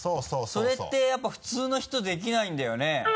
それってやっぱ普通の人できないんだよね？